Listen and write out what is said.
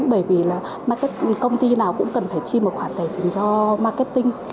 bởi vì là công ty nào cũng cần phải chi một khoản tài chính cho marketing